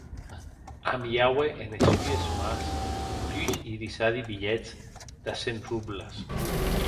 Amiaue enes sues mans dus irisadi bilhets de cent robles.